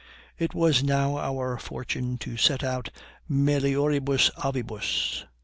It was now our fortune to set out melioribus avibus.